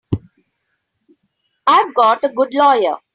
I've got a good lawyer.